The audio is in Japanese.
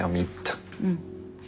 うん。